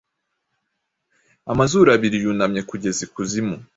Amazuru abiri yunamye kugeza ikuzimu.